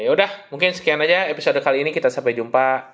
ya udah mungkin sekian aja episode kali ini kita sampai jumpa